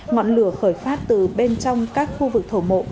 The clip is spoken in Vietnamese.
ngọn lửa khởi phát từ bên trong các khu vực thổ mộ